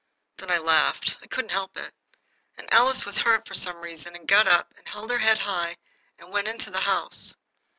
Then I laughed. I couldn't help it. And Alice was hurt, for some reason, and got up and held her head high and went into the house.